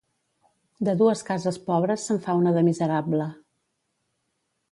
De dues cases pobres se'n fa una de miserable.